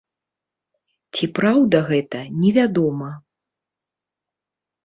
Ці праўда гэта, невядома.